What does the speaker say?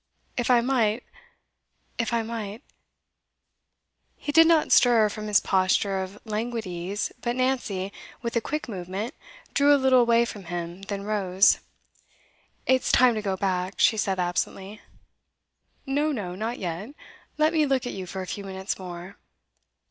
If I might if I might ' He did not stir from his posture of languid ease, but Nancy, with a quick movement, drew a little away from him, then rose. 'It's time to go back,' she said absently. 'No, no; not yet. Let me look at you for a few minutes more!